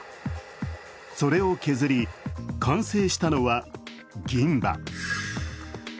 それを削り完成したのは銀歯。